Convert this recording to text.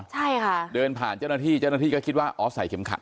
ใช่ค่ะเดินผ่านเจ้าหน้าที่เจ้าหน้าที่ก็คิดว่าอ๋อใส่เข็มขัด